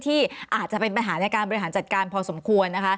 ที่อาจจะเป็นปัญหาในการบริหารจัดการพอสมควรนะคะ